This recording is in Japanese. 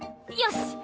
よし！